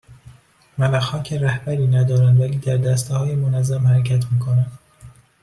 ملخها که رهبری ندارند ولی در دستههای منظم حرکت میکنند